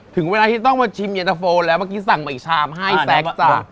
ถึงเวลาที่ต้องมาชิมเย็นตะโฟแล้วเมื่อกี้สั่งมาอีกชามให้แซ็กจ้ะ